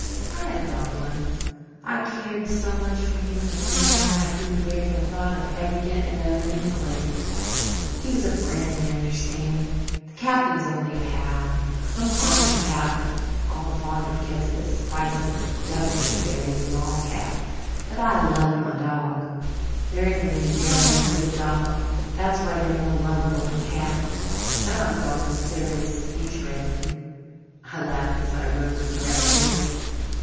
"I had a dog once. I cared so much for him that when he died I couldn't bear the thought of ever getting another in his place. He was a friend you understand? The Captain's only a pal. I'm fond of the Captain all the fonder because of the spice of deviltry there is in all cats. But I loved my dog. There isn't any devil in a good dog. That's why they're more lovable than cats but I'm darned if they're as interesting." I laughed as I rose regretfully.